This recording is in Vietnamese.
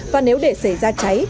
và nếu để xảy ra cháy